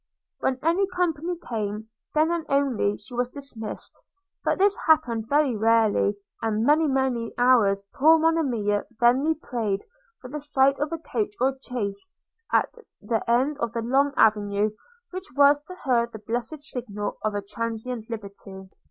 – When any company came, then and then only she was dismissed; but this happened very rarely; and many many hours poor Monimia vainly prayed for the sight of a coach or chaise at the end of the long avenue, which was to her the blessed signal of transient liberty.